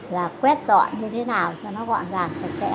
là quét dọn như thế nào cho nó gọn ràng sạch sẽ